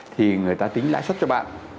thì người ta tính lãi suất cho bạn